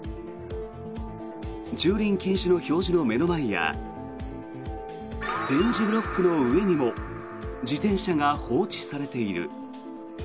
駐輪禁止の表示の目の前や点字ブロックの上にも自転車が放置されている。